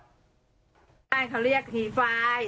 ชาวบ้านเขาเรียกหี่ควาย